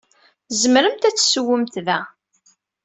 Tzemremt ad tessewwemt da.